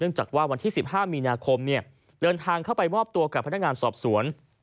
จากว่าวันที่๑๕มีนาคมเดินทางเข้าไปมอบตัวกับพนักงานสอบสวน